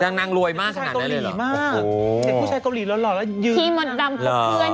นังรวยมากขนาดนะเลยหรอ